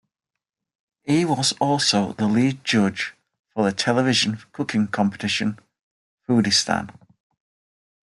He was also the lead judge for the television cooking competition, Foodistan.